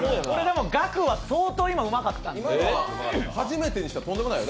ガクは相当今うまかったんで。